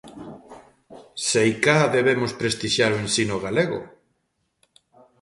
Seica debemos prestixiar o ensino galego.